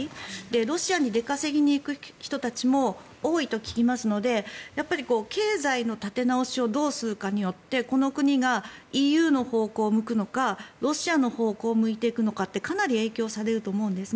ロシアに出稼ぎに行く人たちも多いと聞きますので経済の立て直しをどうするかによってこの国がＥＵの方向を向くのかロシアの方向を向いていくのかってかなり影響されると思うんです。